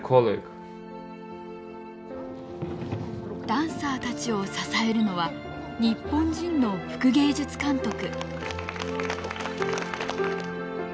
ダンサーたちを支えるのは日本人の副芸術監督。